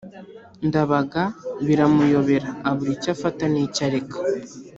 Ndabaga biramuyobera abura icyo afata nicyo areka